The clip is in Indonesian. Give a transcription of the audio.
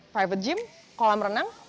private gym kolam renang